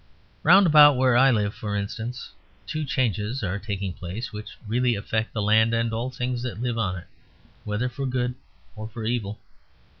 Round about where I live, for instance, two changes are taking place which really affect the land and all things that live on it, whether for good or evil.